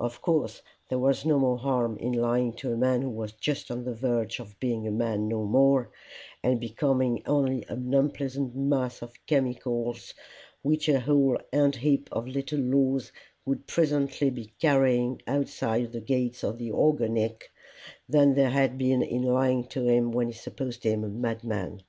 Of course there was no more harm in lying to a man who was just on the verge of being a man no more, and becoming only an unpleasant mass of chemicals, which a whole ant heap of little laws would presently be carrying outside the gates of the organic, than there had been in lying to him when he supposed him a madman.